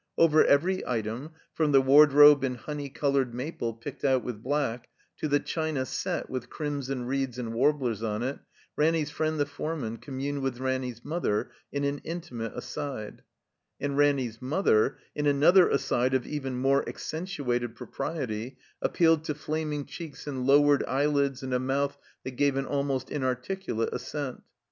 Over every item, from the wardrobe in honey colored maple picked out with black, to the china "set" with crimson reeds and warblers on it, Ranny's friend, the foreman, com mimed with Ranny's mother in an intimate aside; and Ranny's mother, in another aside of even more accentuated propriety, appealed to flaming cheeks and lowered eyelids and a mouth that gave an almost inarticulate assent.